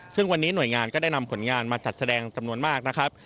ซึ่งวันนี้หน่วยงานก็ได้นำผลงานมาจัดแสดงจำนวนมากนะครับ